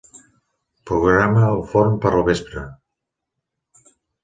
Programa el forn per al vespre.